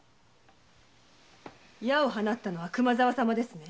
矢を放ったのは熊沢様ですね？